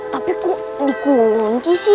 tapi kok dikunci sih